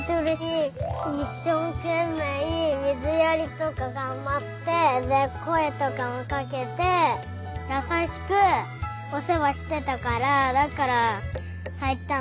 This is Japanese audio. いっしょうけんめいみずやりとかがんばってでこえとかもかけてやさしくおせわしてたからだからさいたんだとおもう。